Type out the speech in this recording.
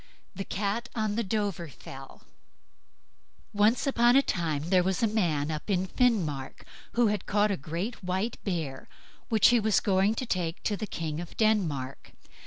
THE CAT ON THE DOVREFELL Once on a time there was a man up in Finnmark who had caught a great white bear, which he was going to take to the king of Denmark.